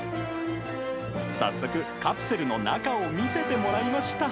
早速、カプセルの中を見せてもらいました。